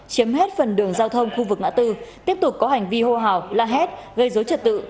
chiếm hết phần đường giao thông khu vực ngã tư tiếp tục có hành vi hô hào la hét gây dối trật tự